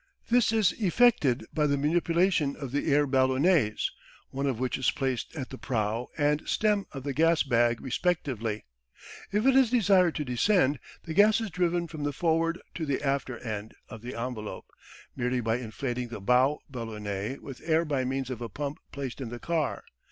This is effected by the manipulation of the air ballonets, one of which is placed at the prow and stem of the gas bag respectively. If it is desired to descend the gas is driven from the forward to the after end of the envelope, merely by inflating the bow ballonet with air by means of a pump placed in the car.